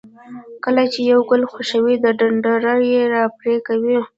کله چې یو ګل خوښوئ د ډنډره یې را پرې کوئ.